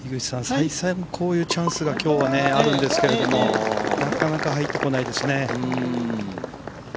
再三こういうチャンスが今日はあるんですがなかなか入ってこないですね。